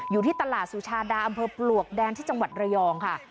อยู่ที่ตลาดสุชาดาอำเภอปลวกแดงที่จังหวัดระยองค่ะ